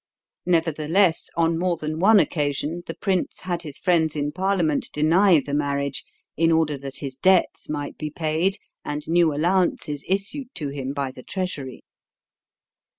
Nevertheless, on more than one occasion the prince had his friends in Parliament deny the marriage in order that his debts might be paid and new allowances issued to him by the Treasury.